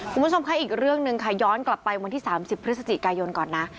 คุณผู้ชมคะอีกเรื่องหนึ่งค่ะย้อนกลับไปวันที่๓๐พฤศจิกายนก่อนนะ